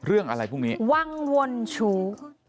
เรื่องอะไรพรุ่งนี้วังวนชู